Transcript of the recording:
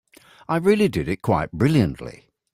I really did it quite brilliantly.